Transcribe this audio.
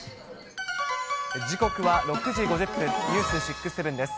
時刻は６時５０分、ニュース６ー７です。